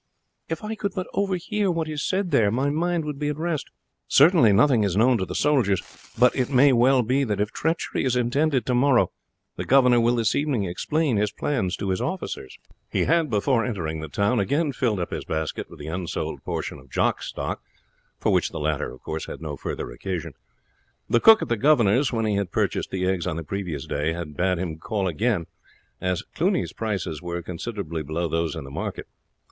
"If I could but overhear what is said there, my mind would be at rest. Certainly nothing is known to the soldiers; but it may well be that if treachery is intended tomorrow, the governor will this evening explain his plans to his officers." He had, before entering the town, again filled up his basket with the unsold portion of Jock's stock, for which the latter had no further occasion. The cook at the governor's, when he had purchased the eggs on the previous day, had bade him call again, as Cluny's prices were considerably below those in the market.